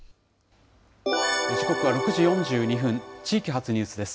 時刻は６時４２分、地域発ニュースです。